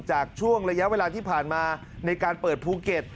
ช่วงระยะเวลาที่ผ่านมาในการเปิดภูเก็ต